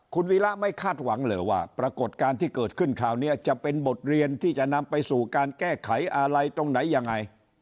คุณวีระไม่คาดหวังเลยว่าปรากฏการณ์ที่เกิดขึ้นคราวนี้จะเป็นบทเรียนที่จะนำไปสู่การแก้ไขอะไรตรงไหนยังไง